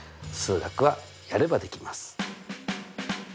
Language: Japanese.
数学はやればできます！